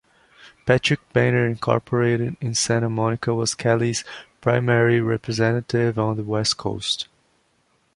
Patrick Painter Incorporated in Santa Monica was Kelley's primary representative on the West Coast.